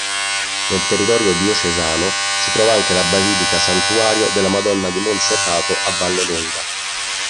Nel territorio diocesano si trova anche la basilica-santuario della Madonna di Monserrato a Vallelonga.